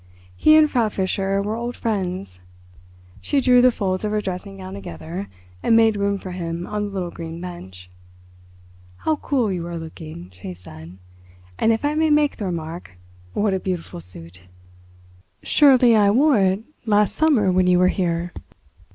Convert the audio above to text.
He and Frau Fischer were old friends. She drew the folds of her dressing gown together, and made room for him on the little green bench. "How cool you are looking," she said; "and if I may make the remark—what a beautiful suit!" "Surely I wore it last summer when you were here?